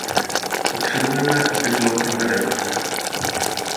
Potřebujeme, aby byl proveden.